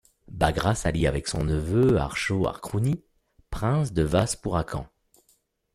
Bagrat s'allie avec son neveu Achot Arçrouni, prince de Vaspourakan.